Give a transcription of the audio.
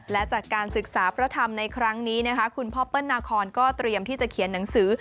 และจากการศึกษาพระธรรมในครั้งนี้นะคะคุณพ่อเปิ้ลนาคอนก็เตรียมที่จะเขียนหนังสือ